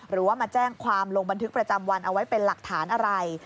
หรือว่ามาแจ้งความลงบันทึกประจำวันเอาไว้เป็นหลักฐานอะไร